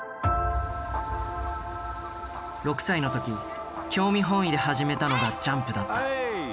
６歳の時興味本位で始めたのがジャンプだった。